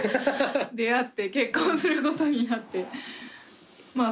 出会って結婚することになってまあ